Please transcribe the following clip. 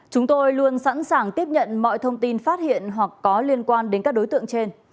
chúng tôi luôn sẵn sàng tiếp nhận mọi thông tin phát hiện hoặc có liên quan đến các đối tượng trên